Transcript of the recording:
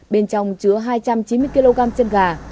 bên trong chứa hai trăm chín mươi kg chân gà